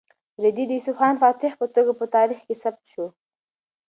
رېدي د اصفهان فاتح په توګه په تاریخ کې ثبت شو.